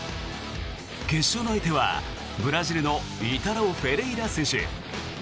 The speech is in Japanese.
決勝の相手はブラジルのイタロ・フェレイラ選手。